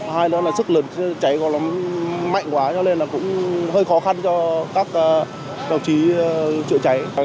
hai nữa là sức lực cháy có lắm mạnh quá cho nên là cũng hơi khó khăn cho các đồng chí chữa cháy